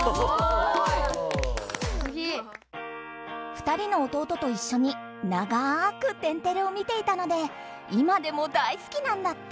２人の弟といっしょにながく「天てれ」を見ていたので今でも大好きなんだって！